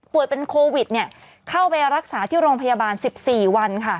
ป่วยเป็นโควิดเนี่ยเข้าไปรักษาที่โรงพยาบาลสิบสี่วันค่ะ